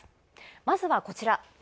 まずは、こちら。